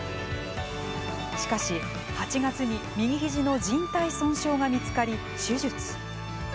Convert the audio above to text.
しかし、８月に右ひじのじん帯損傷が見つかり手術。